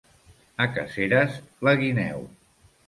A Caseres, la guineu.